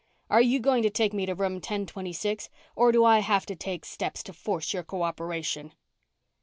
Are you going to take me to room ten twenty six or do I have to take steps to force your co operation?"